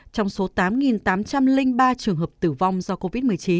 trong số tám tám trăm linh ba trường hợp tử vong do covid một mươi chín